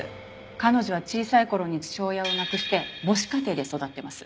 彼女は小さい頃に父親を亡くして母子家庭で育っています。